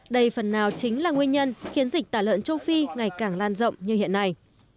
đây phần nào chính là nguyên nhân khiến dịch tả lợn châu phi ngày càng lan rộng như hiện nay